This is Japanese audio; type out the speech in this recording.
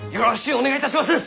お願いいたします！